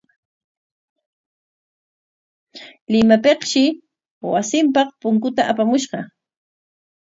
Limapikshi wasinpaq punkuta apamushqa.